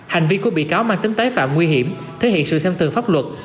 hành vi của bị cáo mang tính tái phạm nguy hiểm thể hiện sự xem tường pháp luật